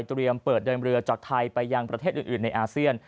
เปิดเดินเรือจากไทยไปยังประเทศอื่นในอาเซียน